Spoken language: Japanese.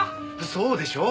そうでしょう。